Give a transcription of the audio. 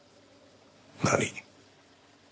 何？